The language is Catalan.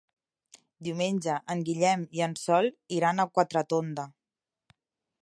Diumenge en Guillem i en Sol iran a Quatretonda.